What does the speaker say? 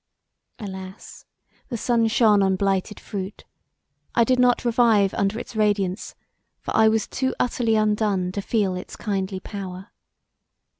Alas the sun shone on blighted fruit; I did not revive under its radiance for I was too utterly undone to feel its kindly power.